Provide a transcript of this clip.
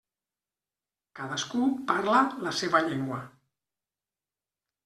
Cadascú parla la seva llengua.